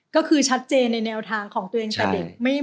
ก็คือชัดเจนในแนวทางของตัวเองแต่เด็ก